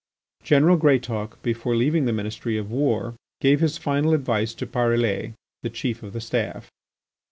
General Greatauk before leaving the Ministry of War, gave his final advice to Pariler, the Chief of the Staff.